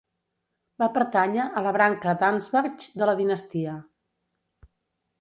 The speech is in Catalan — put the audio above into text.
Va pertànyer a la branca d'Ansbach de la dinastia.